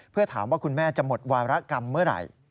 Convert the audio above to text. เพื่อถามว่าคุณแม่จะหมดวารกรรมเมื่อไหร่